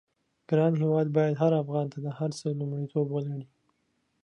ګران هېواد بايد هر افغان ته د هر څه لومړيتوب ولري.